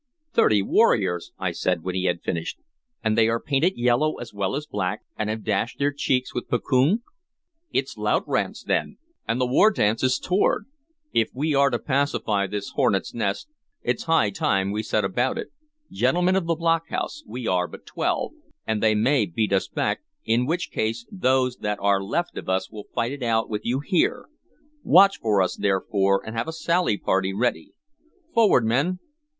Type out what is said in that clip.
"Thirty warriors!" I said, when he had finished. "And they are painted yellow as well as black, and have dashed their cheeks with puccoon: it's l'outrance, then! And the war dance is toward! If we are to pacify this hornets' nest, it's high time we set about it. Gentlemen of the block house, we are but twelve, and they may beat us back, in which case those that are left of us will fight it out with you here. Watch for us, therefore, and have a sally party ready. Forward, men!"